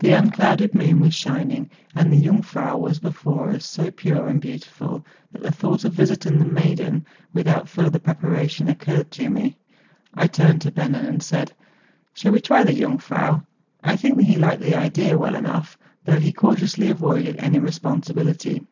Tlie unclouded moon was shining; and the Jungfrau was before us so'pure and beautiful that the thought of visiting the ' Maiden' without further preparation occurred to me. I turned to Bennen, and said: ' Shall we try the Jungfrau?' I think he liked the idea well enough, though he cautiously avoided any respon¬ sibility.